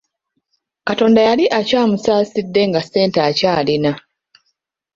Katonda yali akyamusaasidde nga ssente akyalina.